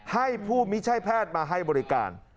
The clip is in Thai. ให้ผู้มิใช่แพทย์มาให้บริการ